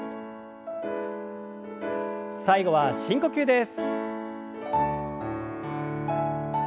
最後は深呼吸です。